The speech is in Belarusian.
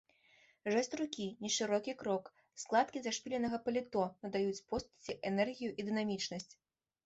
Жэст рукі, нешырокі крок, складкі зашпіленага паліто надаюць постаці энергію і дынамічнасць.